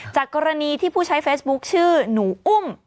จากกรณีที่ผู้ใช้เฟซบุ๊คชื่อหนูอุ้ม